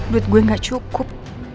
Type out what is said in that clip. duit gue gak cukup